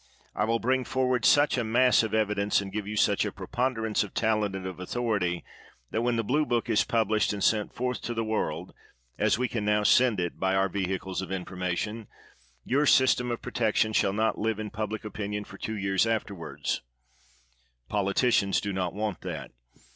I will bring forward such a mass of CAndence, and give you such a preponderance of talent and of authority, that when the blue book is published and sent forth to the world, as we can now send it, by our vehicles of information, your system of pro tection shall not live in public opinion for two years afterward. Politicians do not want that.